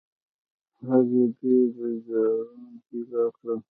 هغې ډېر رویباران پیدا کړل